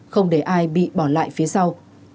không để ai bị bỏ lại phía sau